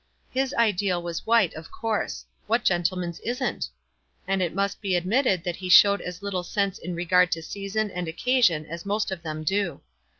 His ideal was white, of course. What gentlemau's isn't? And it must be admitted that he showed as little sense in regard to season and occasion as most of them do.